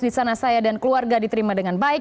di sana saya dan keluarga diterima dengan baik